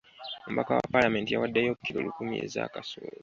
Omubaka wa paalamenti yawaddeyo kilo lukumi ez'akasooli.